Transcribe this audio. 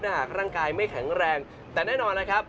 หากร่างกายไม่แข็งแรงแต่แน่นอนนะครับ